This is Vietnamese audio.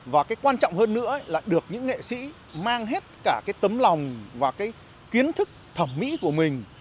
và cái quan trọng hơn nữa là được những nghệ sĩ mang hết cả cái tấm lòng và cái kiến thức thẩm mỹ của mình